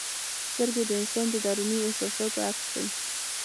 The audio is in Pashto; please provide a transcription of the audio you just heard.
سترګې د انسان د دروني احساساتو عکس دی.